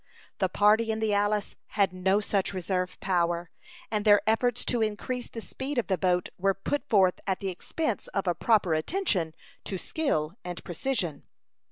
The party in the Alice had no such reserve power, and their efforts to increase the speed of the boat were put forth at the expense of a proper attention to skill and precision.